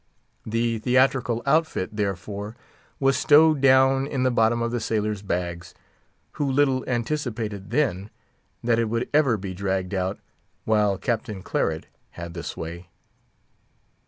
The theatrical outfit, therefore, was stowed down in the bottom of the sailors' bags, who little anticipated then that it would ever be dragged out while Captain Claret had the sway.